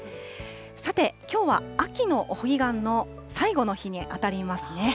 さて、きょうは秋のお彼岸の最後の日に当たりますね。